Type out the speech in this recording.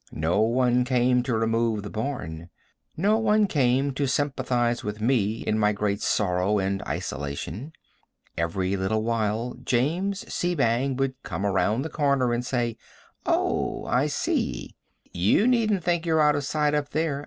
No one came to remove the barn. No one came to sympathize with me in my great sorrow and isolation. Every little while James C. Bang would come around the corner and say: "Oh, I see ye. You needn't think you're out of sight up there.